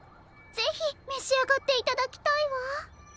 ぜひめしあがっていただきたいわ。